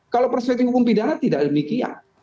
kalau perspektif hukum pidana tidak demikian